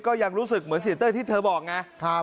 ก็ยังรู้สึกเหมือนเศรษฐ์เต้ยที่เธอบอกนะครับ